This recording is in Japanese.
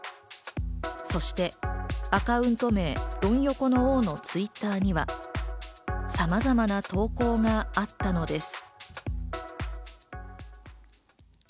そしてアカウント名、ドン横の王のＴｗｉｔｔｅｒには、さまざまな投稿があったのです。